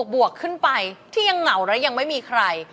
บวกขึ้นไปที่ยังเหงาและยังไม่มีใคร